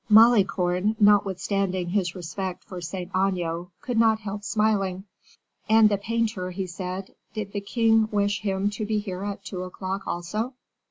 Malicorne, notwithstanding his respect for Saint Aignan, could not help smiling. "And the painter," he said, "did the king wish him to be here at two o'clock, also?"